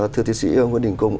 thưa thí sĩ nguyễn đình cung